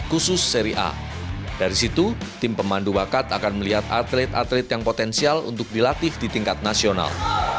dan setelah itu tim pemandu bakat akan melihat atlet atlet yang potensial untuk dilatih di tingkat nasional